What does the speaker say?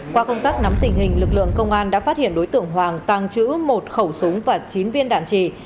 qua công tác nắm tình hình lực lượng công an đã phát hiện đối tượng hoàng tăng chữ một khẩu súng và chín viên đạn trì